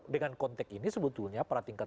dengan konteks ini sebetulnya pada tingkat